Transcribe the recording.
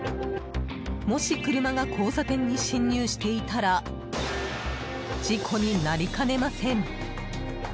もし車が交差点に進入していたら事故になりかねません。